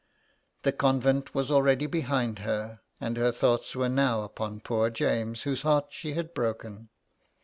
The convent was already behind her, and her thoughts were now upon poor James, whose heart she had broken.